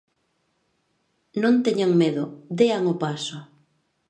Non teñan medo, dean o paso.